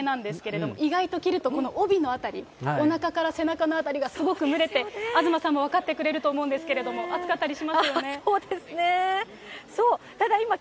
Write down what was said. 浴衣って見た目は涼しげなんですけれども、意外と着るとこの帯のあたり、おなかから背中の辺りがすごく蒸れて、東さんも分かってくれると思うんですけれども、暑かったりしますそうですね。